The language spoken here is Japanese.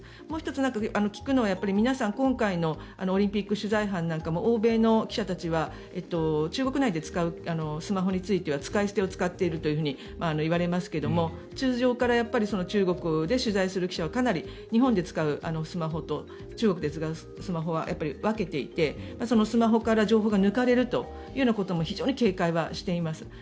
もう１つ聞くのは皆さん、今回のオリンピック取材班なんかも欧米の記者たちは中国内で使うスマホについては使い捨てを使っているといわれますけども通常から中国で取材する記者はかなり日本で使うスマホと中国で使うスマホは分けていてそのスマホから情報が抜かれるということも非常に警戒しています。